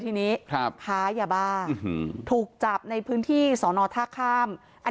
ที่นี้ครับขาอย่าบ้าถูกจับในพื้นที่สนทค้ามอัน